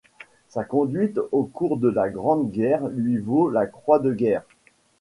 Sa conduite au cours de la Grande Guerre lui vaut la Croix de Guerre.